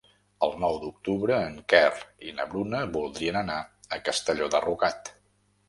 El nou d'octubre en Quer i na Bruna voldrien anar a Castelló de Rugat.